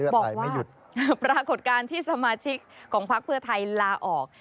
บอกว่าปรากฏการณ์ที่สมาชิกของพักเพื่อไทยลาออก